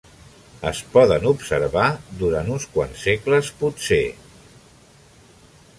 Es poden observar durant uns quants segles potser.